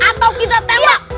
atau kita tembak